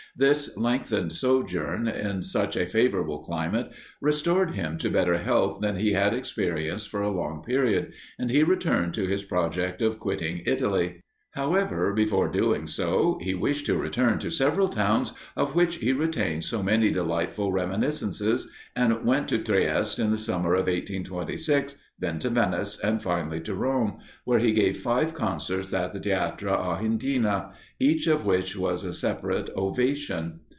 This lengthened sojourn in such a favourable climate restored him to better health than he had experienced for a long period, and he returned to his project of quitting Italy. However, before doing so, he wished to return to several towns of which he retained so many delightful reminiscences, and went to Trieste in the summer of 1826, then to Venice, and finally to Rome, where he gave five concerts at the Theatre Argentina, each of which was a separate ovation.